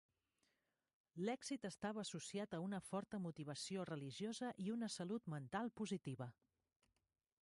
L'èxit estava associat a una forta motivació religiosa i la una salut mental positiva.